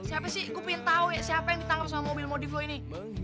siapa sih gue pengen tau ya siapa yang ditangkap sama mobil modiflo ini